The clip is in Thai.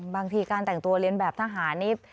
บางทีการแต่งตัวเรียนแบบทหารนี่